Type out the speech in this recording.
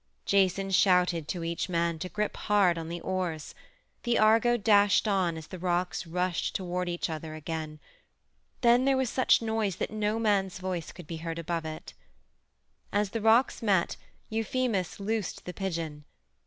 Jason shouted to each man to grip hard on the oars. The Argo dashed on as the rocks rushed toward each other again. Then there was such noise that no man's voice could be heard above it. As the rocks met, Euphemus loosed the pigeon.